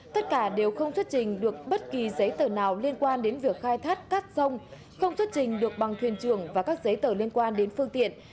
tất cả đều không xuất trình được bất kỳ giấy tờ nào liên quan đến việc khai thác cát sông không xuất trình được bằng thuyền trường và các giấy tờ liên quan đến phương tiện